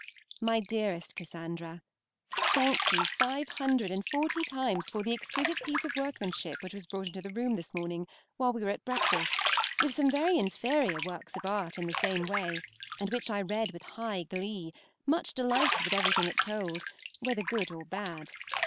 23). MY DEAREST CASSANDRA, Thank you five hundred and forty times for the exquisite piece of workmanship which was brought into the room this morning, while we were at breakfast, with some very inferior works of art in the same way, and which I read with high glee, much delighted with everything it told, whether good or bad.